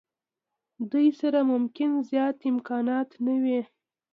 دوی سره ممکن زیات امکانات نه وي.